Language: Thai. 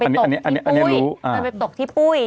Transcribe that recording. มันไปตกที่ปุ้มมันไปตกที่ปุ้ม